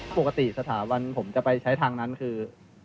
ปกติสถาบันผมจะไปใช้ทางนั้นคือ